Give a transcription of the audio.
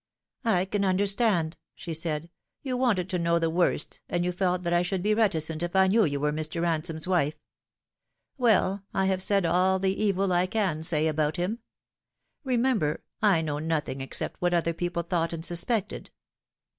" I can understand," she said. " You wanted to know the worst, and you felt that I should be reticent if I knew you were Mr. Ransome's wife. Well, I have said all the evil I can say about him. Remember, I know nothing except what other people thought and suspected.